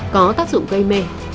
có tác dụng gây mê